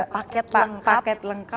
paket lengkap paket telurnya tiga